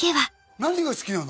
何が好きなの？